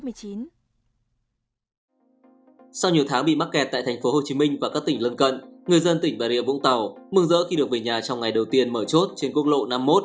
sau nhiều tháng bị mắc kẹt tại thành phố hồ chí minh và các tỉnh lân cận người dân tỉnh và rịa vũng tàu mừng rỡ khi được về nhà trong ngày đầu tiên mở chốt trên cung lộ năm mươi một